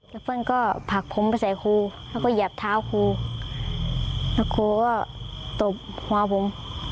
แล้วเปิ้ลก็ผลักผมไปใส่ครูแล้วก็เหยียบเท้าครูแล้วครูก็ตบหัวผม